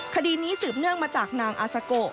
คดีนี้สืบเนื่องมาจากนางอาซาโก